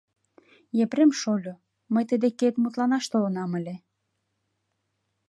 — Епрем шольо, мый тый декет мутланаш толынам ыле.